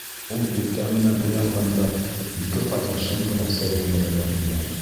Ул иртә менән уянғанда ике ҡатын шым ғына сәй һемерәләр ине.